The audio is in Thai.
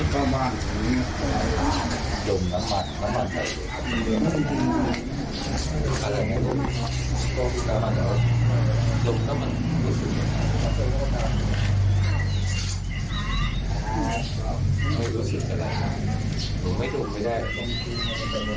หนูไม่รู้สึกจะรักนะหนูไม่ดมไม่ได้หนูไม่รู้สึกว่ามันจะไปทำร้ายระบบภาษาของหนู